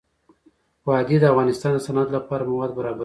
وادي د افغانستان د صنعت لپاره مواد برابروي.